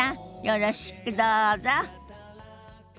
よろしくどうぞ。